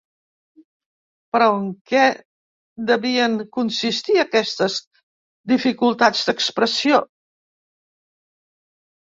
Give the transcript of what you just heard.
Però en què devien consistir aquestes "dificultats d'expressió"?